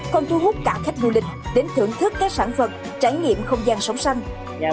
còn thu hút cả khách du lịch đến thưởng thức các sản vật trải nghiệm không gian sống xanh